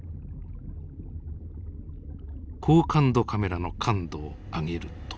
高感度カメラの感度を上げると。